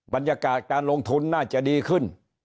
บรรยากาศการลงทุนน่าจะดีขึ้น